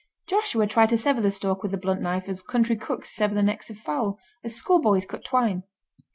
Joshua tried to sever the stalk with the blunt knife as country cooks sever the necks of fowl—as schoolboys cut twine.